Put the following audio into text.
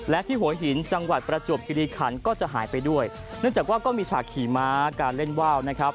และที่หัวหินจังหวัดประจวบคิริขันก็จะหายไปด้วยเนื่องจากว่าก็มีฉากขี่ม้าการเล่นว่าวนะครับ